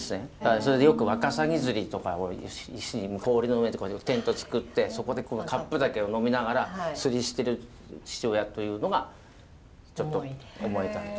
それでよくわかさぎ釣りとか氷の上とかにテント作ってそこでカップ酒を呑みながら釣りしてる父親というのがちょっと思い浮かんだ。